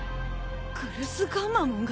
グルスガンマモンが？